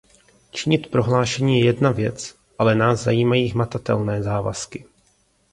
Činit prohlášení je jedna věc, ale nás zajímají hmatatelné závazky.